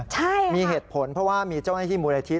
ใช่มีเหตุผลเพราะว่ามีเจ้าหน้าที่มูลนิธิ